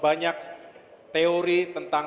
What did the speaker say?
banyak teori tentang